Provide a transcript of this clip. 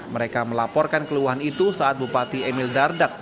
mereka melaporkan keluhan itu saat bupati emil dardak